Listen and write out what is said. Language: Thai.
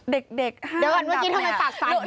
เด็ก๕อันดับเนี่ย